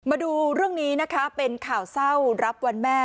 มาดูเรื่องนี้นะคะเป็นข่าวเศร้ารับวันแม่